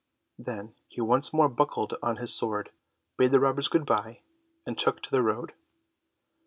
Then he once more buckled on his sword, bade the robbers goodbye, and took to the road.